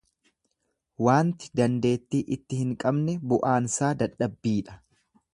Waanti dandeetti itti hin qabne bu'aansaa dadhabbiidha.